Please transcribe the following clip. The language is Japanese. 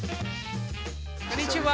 こんにちは。